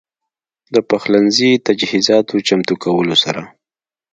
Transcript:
د پخلنځي تجهيزاتو چمتو کولو سره